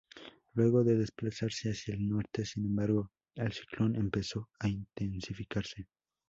Luego de desplazarse hacia el norte, sin embargo, el ciclón empezó a intensificarse.